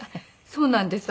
そうなんです。